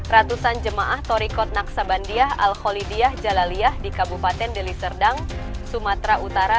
ratusan jemaah torikot naksabandiah alkholidiyah jalaliyah di kabupaten deliserdang sumatera utara